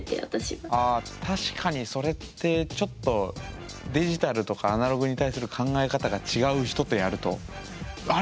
あ確かにそれってちょっとデジタルとかアナログに対する考え方が違う人とやるとあれ？